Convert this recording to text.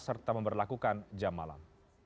serta memperlakukan jam malam